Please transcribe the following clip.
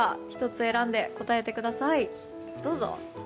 １つ選んで答えてください。